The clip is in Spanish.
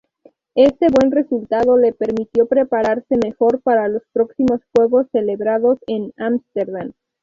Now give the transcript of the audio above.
Este buen resultado le permitió prepararse mejor para los próximos Juegos, celebrados en Ámsterdam.